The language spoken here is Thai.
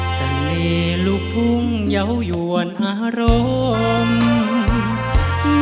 เสน่ห์ลูกทุ่งเยาวยวนอารมณ์